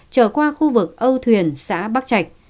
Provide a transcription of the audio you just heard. trở qua khu vực âu thuyền xã bắc trạch